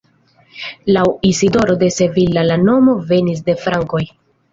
Laŭ Isidoro de Sevilla la nomo venis de la frankoj.